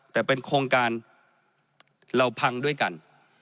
แต่เป็นโครงการเราพังด้วยกัน